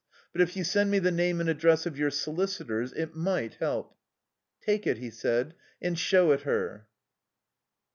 But if you sent me the name and address of your solicitors it might help." "Take it," he said, "and show it her."